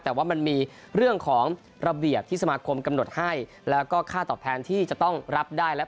แต่ว่ามันมีเรื่องของระเบียบที่สมาคมกำหนดให้แล้วก็ค่าตอบแทนที่จะต้องรับได้และ